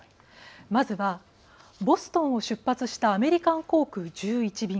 まずは、ボストンを出発したアメリカン航空１１便。